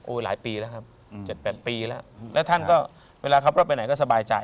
โอ้ยหลายปีแล้วครับอืมเจ็ดแปดปีแล้วอืมแล้วท่านก็เวลาครับเราไปไหนก็สบายใจ